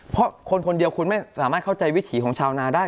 เพราะคนคนเดียวคุณไม่สามารถเข้าใจวิถีของชาวนาได้